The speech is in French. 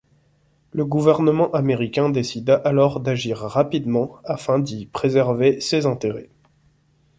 Le gouvernement américain décida alors d'agir rapidement afin d'y préserver ses intérêts.